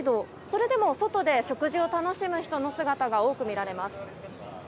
それでも外で食事を楽しむ人の姿が多く見られます。